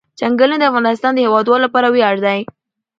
چنګلونه د افغانستان د هیوادوالو لپاره ویاړ دی.